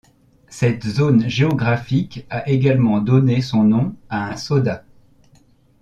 Cette zone géographique a également donné son nom à un soda.